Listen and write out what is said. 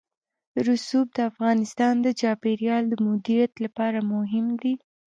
رسوب د افغانستان د چاپیریال د مدیریت لپاره مهم دي.